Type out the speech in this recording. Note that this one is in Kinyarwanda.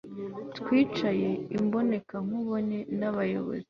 Twicaye imbonankubone nabayobozi